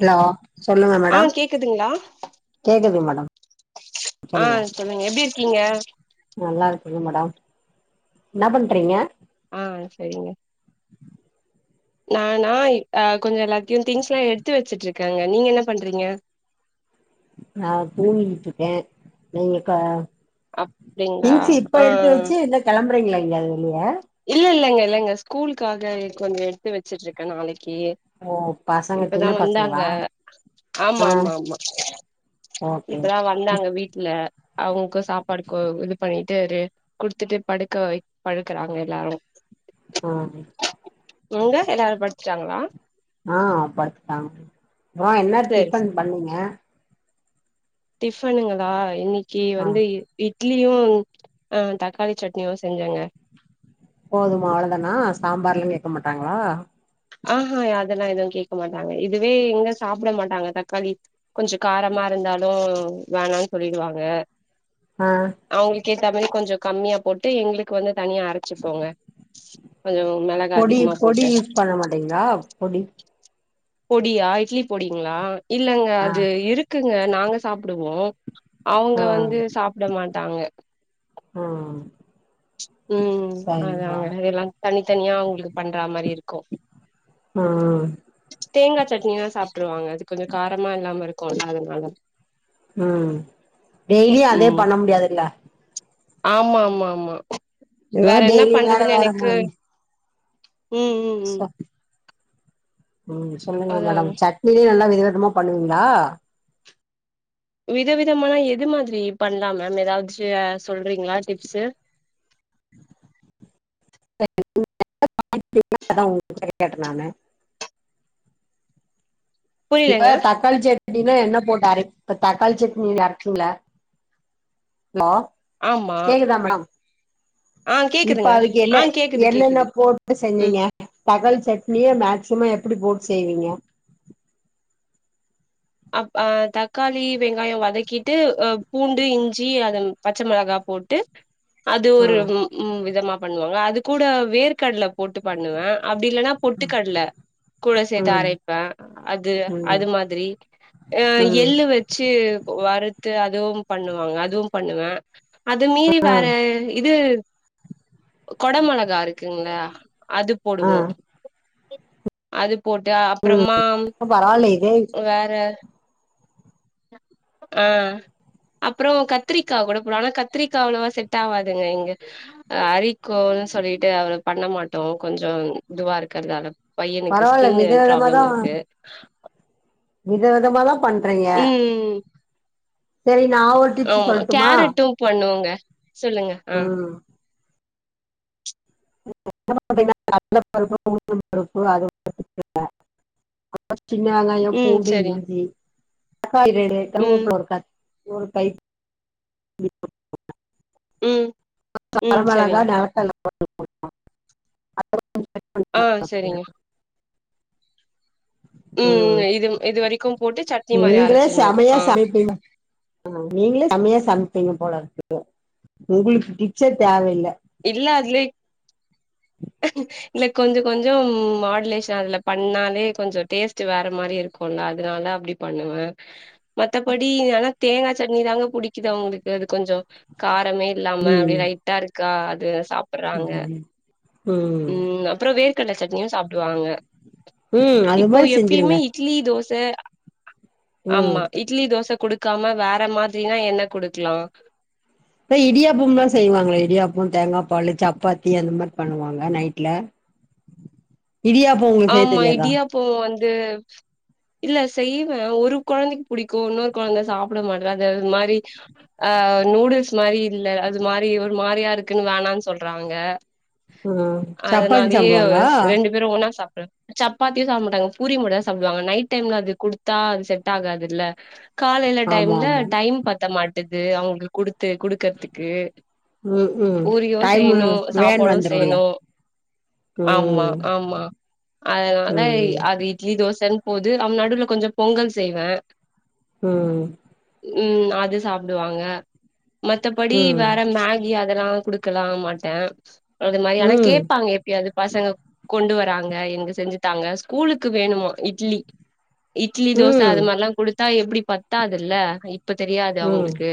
hello சொல்லுங்க ஆ madam கேக்குதுங்களா கேக்குது மேட ஆ ஆ சொல்லுங்க எப்டி இருக்கீங்க நல்லா இருக்கங்க மேடம் என்னா பண்றீங்க ஆ செரிங்க நானா ஆ கொஞ்சம் எல்லாத்தையும் திங்ஸ்லாம் எடுத்து வச்சிட்டு இருக்கங்க நீங்க என்ன பண்றீங்க நா தூங்கிட்டு இருக்கேன் நீங்க இப்ப அப்டிங்களா திங்ஸ் இப்ப ஆ எடுத்து வச்சி என்ன கெளம்புறீங்களா வியாது இல்ல இல்லங்க இல்லங்க ஸ்கூலுக்காக கொஞ்சம் எடுத்து வச்சிட்டு இருக்கே நாளைக் கி ஓ பசங்க இப்பதா சின்ன வந்தாங்க பசங்களா ஆமா ஆ ஆமா ஆமா ஓகே இப்பதா வந்தாங்க இப் வீட் இல்ல அவங்கக்கும் சாப்பாடு கோ இது பண்ணிட்டு ரெ குடுத்துட்டு படுக்க வை படுக்கறாங்க லாங் ஆ நீங்க எல்லாரும் படுத் ச்சாங்களா ஆ படுத்துடாங்க அப்றோ என்ன சேரி டிஃபன் பண்ணீங்க டிஃபனுங்களா இன்னிக் கி ஆ வந்து இட் லியும் ஆ தக்காளி சட்னியும் செஞ்சங்க போதுமா அவ்ளோதானா சாம்பார்லாம் கேக்க மாட்டாங்களா ஆஹா அதெல்லாம் எதுவும் கேக்க மாட்டாங்க இதுவே எங்க சாப்ட மாட்டாங்க தக்காளி கொஞ்சம் காரமா இருந்தாலும் வேணான் சொல்லிடுவாங்க ஆ அவுங்களுக்கு ஏத்தமாரி கொஞ்சம் கம்மியா போட்டு எங்களுக்கு வந்து தனியா அரைச்சிப்போங்க கொஞ்சம் மிளகா அதிகமா போட்டு டிங்களா பொடி பொடியா இட்லி பொடிங்களா இல்லங்க ஆ அது இருக் இருக்குங்க நாங்க சாப்பிடுவோ அவங்க ஆ வந்து சாப்பிட மாட் தாங்க ம் ம் அதங்க அதெல்லா தனி தத்தனியா உங்களுக்கு பண்ற மாரி இருக் கு ம் தேங்காய் சட்னினா சாப்பிட்டுருவாங்க அது கொஞ்சோ காரமா இல்லாம இருக் கொ அதனால ம் டெய்லி அதே ம் பண்ண முடியாதுல்ல ஆமா ஆமா ஆமா ஏத வேற என்ன டெய்லி வேற பண்றதுன்னு வேற எனக்கு மாரி ம் ம் ம் நீங்க சொல்லுங்க மேடம் அதாங்க சட்னிலயும் நல்லா வை வித விதமா பண்ணுவீங்களா வித விதமான எது மாதிரி பண்ணலா மேம் ஏதாவதுச்ச சொல்றீங்களா டிப்ஸு [inaudible] அதா உங்க கேட்டேன் நானே இப்ப புரியலங்க தக்காளி செட்டின்ன என்ன போட்டு அரைப்பே இப்ப த கல் சட்னில அரைக்குங்களா ஹலோ ஆமா கேக்குதா மேடம் ஆ இப்ப கேக்குதுங்க அதுக்கு என்ன ஆ கேக்குது என்னென்ன கேக்குது போட்டு ம் செஞ்சுங்க தக்காளி சட்னியே மேக்சிமம் எப்படி போட்டு செய்வீங்க அப்ப அ தக்காளி வெங்காய வதக்கிட்டு அ பூண்டு இஞ்சி அது பச்ச மிளகா போட்டு அது ஆ ஒரு ம் ம் விதமா பண்ணுவாங்க அது கூட வேர்கடல போட்டு பண்ணுவே அப்படி இல்லைன்னா பொட்டுக்கடலை கூட சேர்த்து ம் அரைப்பே அது ம் அது மாதிரி ஆ ம் எள்ள வச்சு வறுத்து அதுவும் பண்ணுவாங்க அதுவும் பண்ணுவ அது மீறி ஆ வேற இது கொட மொளகா இருக்குங்களா அது போடுவோ அது போட்டு உம் பரவால்ல இதே ஆ ஆ அப்பகத்திரிக்காய் கூட போம் ஆனா கத்திரிக்காய் அவ்வா செட் ஆவாதுங்க இங்க அரி கோலு சொல்லிட்டு அவரு பண்ண மாட்டோ கொஞ்சோ இதுவா இருக்கறதால பையனுக்கு பரவால்ல ஸ்கின்னு பராப்ளம் இருக்கு விதவிதமா தா பண்றீங்க ம் சரி நா ஒரு டிப்ஸ் ஆமா சொல்லட்டுமா கேரட்டு பண்ணுவங்க சொல்லுங்க ஆ ம் பருப்புனு பாத்தீங்கனா கடலபருப்பு உளுந்தம் பருப்பு அது [unintelligible] சின்ன வெங்காயோ ம் பூண்டு சரிங் இஞ்சி காய்கறி ம் கருவோப்ல இருக்கா ஒரு கை பிடி உம் கொடமொளகா நெடக்கல்ல அ [unintelligible] ஆ செரிங்க ம் உம் இது இது வரைக்கும் போட்டு சட்னி மாரி நீங்களே அரச்சிட்ணு செம்மையா ஆ சமைப்பீங்க நீங்களே செமையா சமைப்பீங்க போல இருக்குது உங்களுக்கு பிச்சர் தேவயில்ல இல்ல அதுலே இல்ல கொஞ்சோ கொஞ்சோ மாடுலேஷன் அதுல பண்ணாலே கொஞ்சோ டேஸ்ட் வேற மாரி இருக்கும்ல அதனாலதா அப்டி பண்ணுவே மத்தபடி எனக் தேங்கா சட்னிதாங்க புடிக்குது அவுங்களுக்கு அது கொஞ்சோ கார மே இல்லாம ம் அப்டியே லைட்டா இருக்குது க அதுஸ் சாப்புறாங்க ம் ம் உம் அப்றோ வே நெலக்கடல சட்னியு சாப்ருவாங்க உம் அது மாரி செஞ்சுருங்க தேர் ஆமா இட்லி தோச குடுத் காம வேற மாதிரினா என்ன குடுக்கலாம் ப இடியாப்பம்லா செய்வாங்களே இடியாப்பம் தேங்கா பாலு சப்பாத்தி அந்த மாரி பண்ணுவாங்க நைட்ல இடியாப்போம் உங்களுக்கு செய்ய தெரியாதா து இல்ல செய்வேன் ஒரு கொழந்தைக்கு புடிக்கும் இன்னொரு கொழந்தை சாப்பிட மாட்டறா அது அது மாரி ஆ நூடுல்ஸ் மாரி இல்ல அது மாரி ஒரு மாரியா இருக்குன்னு வேணான் சொல்றாங்க ம் சப்பாத்தி சாப்புடுவாங்ளா சப்பாத்தியும் சாப்பிட மாட்டாங்க பூரி மட்டுந்தான் சாப்புடுவாங்க நைட் டைம்ல அது குடுத்தா அது செட்காது இல்ல காலேல ஆமா டைம்ல ஆமா டைம் பத்த மாட்டு து அவுங்களுக்கு குடுத்து குடுக்கறத்துக்கு ம் ஹும் டைம் வேன் சாப்பாடு வந்துருன்ல செய்யணு ம் அதுனால ம் அது இட்லி தோசன் போது அது நடுவுல கொஞ்ச பொங்கல் செய்வேன் ம் ம் அது சாப்புடுவாங்க மத்த படி ம் வேற மேகி அது அதல்லா குடுக்கலாம் மாட்டேன் அதுமாரி ஆனா ம் கேட்பாங்க எப்பியாது பசங்க கொண்டு வ ராங்க எங்க செஞ்சுதாங்க ஸ்கூலுக்கு வேணுமா இட்லி இட்லி ம் தோச அது ம் மாரிலாம் குடுத் தா எப்டி பத்தாதுல்ல இப்ப தெரியாது அவுங்களுக்கு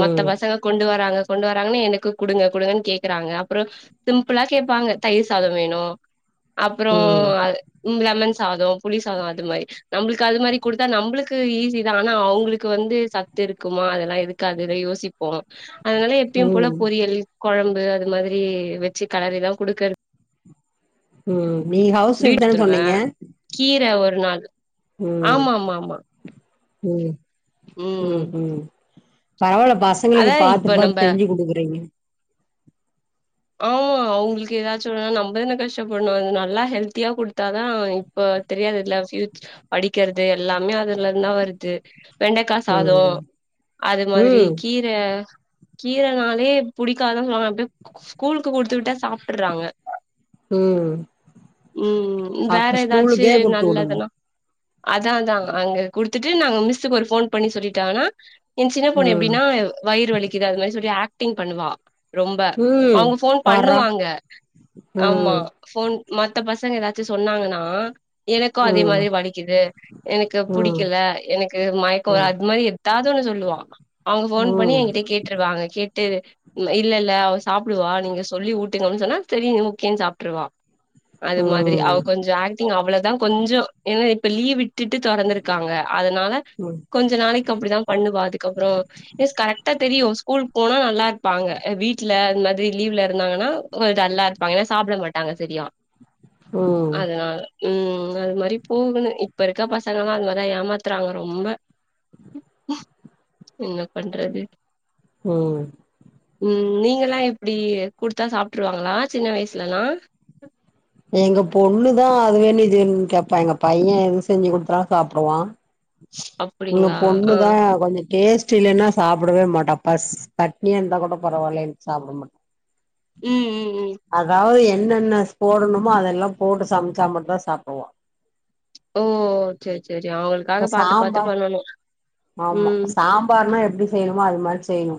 மாத்த பசங்க கொண்டு வராங்க கொண்டு வராங்கன்னு எனக்கு குடுங்க குடுங்கன் கேக்றாங்க அப்றோ சிம்பிளா தயிர் சாதோம் வேணு அப்புற ம் அது லெமன் சாதோம் புளி சாதோம் அது மாரி நம்மளுக்கு அது மாரி குடுத்தா நம்மளுக்கு து ஈஸி தான் ஆனா அவங்களுக்கு வந்து சத்து இருக்குமா அதெல்லா இருக்காதுன் யோசிப்போம் அதுனால எப்பியும் போல ம் பொறியல் கொழம்பு இது மாரி வச்சு கெலறிதான் குடுக்கறது ம் நீங்க ஹவுஸ் ஒய்ஃப் தான சொன்னீங்க வீடுத்துருவேன் கீரை ஒரு நாள் [unintelligible] ஆமா மா மா உ உ உ பரவல பசங்களுக்கு அதா பாத்து இப்ப பாத்து நம்ப செஞ்சு கொடுக்குறீங்க ஆமா அவங்களுக்கு ஏதாச்சு ஒன்னுன்னா நம்மதானே கஷ்டப்படணு அது நல்லா ஹெல்த்தியா குடுத்தாதா இப்ப தெரியாது இல்ல ஃப் படிக்கிறது எல்லாமே அதுல இருந்துதா வருது வெண்டைக்கா சாதோ ம் அது மாதிரி ம் கீர கீர நாலே புடிக்காதாங் சொல்லுவாங்க அப்டியே ஸ்கூல்லுக்கு குடுத்து விட்டா சாப்டுர்றாங்க உ உ வேற ஏதாச்சு குடுத்து நல்ல விடுங்க எதனா அதா அதா அங்க குடுத்துட்டு நாங்க மிஸ்சுக்கு ஒரு ஃபோன் பண்ணி சொல்லிட்டாங்கன்னா எ சின்ன பொண்ணு ம் இப்டினா வயிறுலிக்குது அது மாரி சொல்லி ஆக் டிங் பண்ணுவா ரொம்ப ம் அவங்க ஃபோன் பார்றா பண்ணுவாங்க ஆமா ம் ஃபோன் மத்த பசங்க ஏதாச்சு சொன்னாங்கன்னா எனக்கு அதே ம் மாரி வலிக்குது எனக்கு ம் பிடிக்கல எனக்கு மயக்க வருது ம் அது மாதிரி எதாவது இதொன்னு சொல்லுவா அவங்க ஃபோன் பண்ணி எ ம் கிட்ட கேட்டுருவாங்க கேட் ட்டு இல்ல இல்ல அவ சாப்பிடுவா நீங்க சொல்லி ஊட்டுங்கன்னு சொன்னா செரி ஓகேன்னு சாப்ட்ருவா அது மாதிரி அவ ம் கொஞ்சோ ஆக்டிங் அவ்ளதா கொஞ்சோ ஏன்னா இப்ப லீவ் விட்டுட்டு தொறந்துருக்காங்க அதனால கொஞ்ச நாளைக்கு அப்படிதா பண்ணுவா அதுக்கப்புறோ மிஸ் கரெக்டா தெரியு ஸ்கூல் போனா நல்லா இருப்பாங்க வீட் ல இந்த மாதிரி லீவ்ல இருந்தாங்கன்னா டல்லா இருப்பாங்க ஏன்னா சாப்பிட மாட்டாங்க சரியா ம் அதனால உ அது மாரி போகணு இப்ப இருக்க பசங்கல்லா அது மாரிதா ஏமாத்துறாங்க ரொம்ப என்ன பண்றது உ உ நீ நீங்கலா எப்டி குடுத்தா சாப்ட்டுருவாங்களா சின்ன வயசுலலா எங்க பொண்ணுதா அது வேணு இது வேனுனு கேப்பா எங்க பையே எது செஞ்சு குடுத்தாலு சாப்பிடுவா உள்ள அப்டிங்களா ஆ பொண்ணுதா கொஞ்சோ டேஸ்ட் இல்லன்னா சாப்பிடவேமாட்ட பஷ் பட்னியா இந்தா கூட பரவாயில்ல சாப்பிடமாட் ம் ம் ம் அதாவது இன்ன என்னா போடணுமோ அதெல்லா போட்டு சாமச்சா மட்டுதா சாப்புடுவா ஓ சேரி சே இப்ப சாம்பா ஆமா ம் சாம்பார்னா எப்பிடி செய்யணுமோ அது மாரி செய்யணு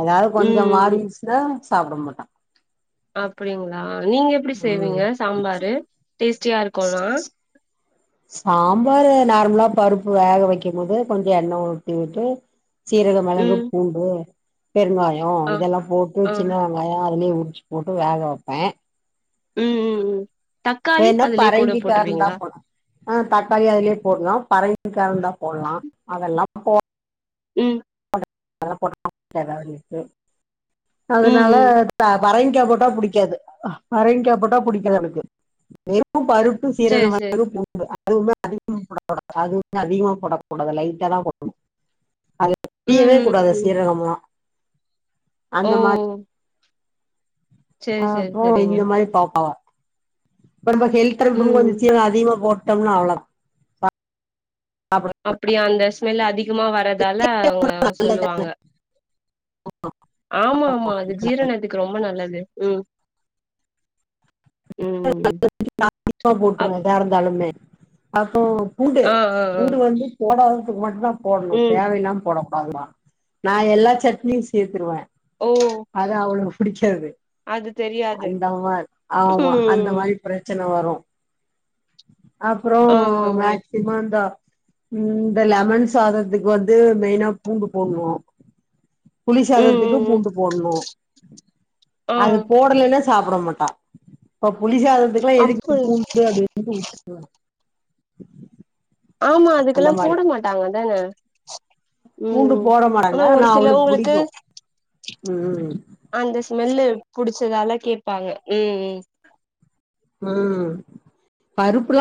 ஏதாவது கொஞ்சோ ம் மாரிச்சின்னா சாப்பிடமாட்டா அப்பிடிங்களா ஆ நீங்க எப்பிடி செய்வீங்க சாம்பாரு டேஸ்ட்டியா இருக்கோனா சாம்பார் நார்மலா பருப்பு வேக வைக்கு போது கொஞ்சோ எண்ணெ ஊத்திவுட்டு சீரகம் மெளகு ம் பூண்டு பெருங்காயோ ஆ இதெல்லா போட்டு ஆ சின்ன வெங்காயோ அதிலியு ன்ச்சி போட்டு வேக வைப்பே ம் ம் ம் தக்காளி வேணா அதுலயே கூட பரங்கிக்கா இருந்தா போட்ருவீங்களா போனு ஆ தக்காளி அதிலியே போலா பரங் கரண்டா போடலா அதெல்லா போ ம் அதல்ல போட்டா ஏதாவது இருக்கு ம் அதனால ம் தா வரைங்கா போட்டா புடிக்காது பரைங்க போட்டா புடிக்கது எனக்கு எனக்கு பருப்பு சீரண சேரி சேரி மெளக்கு பூண்டு அதும அதிகமா போடக்கூடாது அது அதிகமா போடக்கூடாது லைட்ட தா போடணு அது ம் தெரியவே கூடாது ம் ம் சீரகம்ல்லா அந்த மாரி ஓ சேரி ஆ சேரி போ சேரிங்க இந்த மாரி பாக்காவா ஒடம்ப ஹெல்த்ம் ம் கொஞ்ச [unintelligible] அதிகமா போட் த்தம்னா அவ்ளா அப்படியா அந்தஸ் [unintelligible] அதி திகமா வரதால அவங்க நல்லதான சொல்லுவாங்க ஆமா ஆமா அது ஜீரண அதுக்கு ரொம்ப நல்லது ம் [inaudible] ம் போட்டுவ அப் எதா இருந்தாலுமே அப்போ உண்டு ஆ ஆ ஆ உடு வந்து போட [unintelligible] போடணு ம் தேவல்லா போடக் [unintelligible] நா எல்லா சட்னியு சேர்த்தருவே ஓ அத அவளே குடிக்கது அது தெரியாது அந்தமா ஆமா அந்த ம் மாரி பிரச்சன வரு [inaudible] அப்புறோ ஆ ஆ ஆ மேக்சிமம்ந்த ம் இந்த லெமன் சாதத்துக்கு வந்து மெயினா பூண்டு போண்ணு புளி ம் சாதத்துக்கு ம் ம் பூண்டு போட்ணு ஆ அது போடலைன்னா சாப்பிட மாட்டா பொளி சாதனத்துக்கெல்லா எதுக்கு அப்பு பூண்டு அப்படனுட்டு விடுட நா [inaudible] ஆமா அதுக்கெல்லா கூட மாட்டாங்க தான ம் பூண்டு ம் போற மாடங்க ஆனா ஒரு நா அவளுக்கு சிலவங்களுக்கு புடிக்கு ம் அந்த ஸ்மெல்லு புடிச்சதால கேட்பாங்க ம் ம் ம் பருப்புல்லா